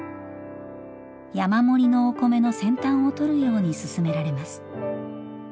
山盛りのお米の先端を取るように勧められます。